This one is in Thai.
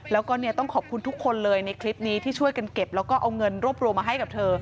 แล้วก็ต้องขอบคุณทุกคนเลยในคลิปนี้ที่ช่วยกันเก็บแล้วก็เอาเงินรวบรวมมาให้กับเธอ